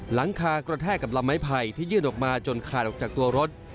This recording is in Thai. หลังคากระแทกกับลำไม้ไผ่ที่ยื่นออกมาจนขาดออกจากตัวรถ